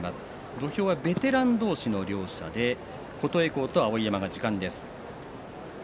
土俵はベテラン同士の両者で琴恵光と碧山が時間です。